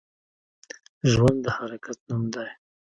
ژوند د حرکت نوم دی